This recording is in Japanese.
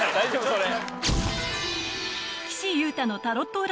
それ。